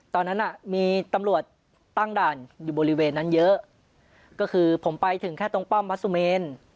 ตอนนั้นน่ะมีตำรวจตั้งด่านอยู่บริเวณนั้นเยอะก็คือผมไปถึงแค่ตรงป้อมวัดสุเมน